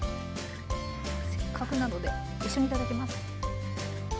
せっかくなので一緒に頂きます。